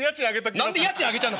何で家賃上げちゃうの？